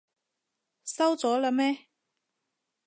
收咗喇咩？